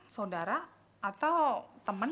saudara atau teman